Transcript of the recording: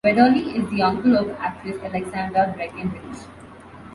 Weatherly is the uncle of actress Alexandra Breckenridge.